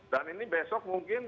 dan ini besok mungkin